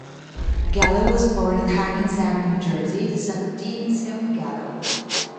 Gallo was born in Hackensack, New Jersey, the son of Dean and Selma Gallo.